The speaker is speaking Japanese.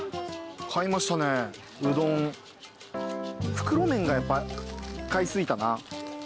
袋麺がやっぱ買い過ぎたな。